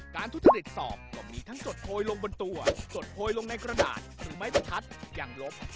ทุจริตสอบก็มีทั้งจดโพยลงบนตัวจดโพยลงในกระดาษหรือไม้ประทัดอย่างลบ